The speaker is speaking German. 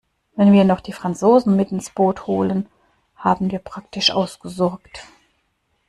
Wenn wir noch die Franzosen mit ins Boot holen, haben wir praktisch ausgesorgt.